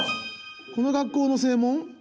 この学校の正門？